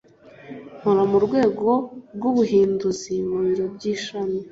Nkora mu Rwego rw'Ubuhinduzi ku biro by'ishami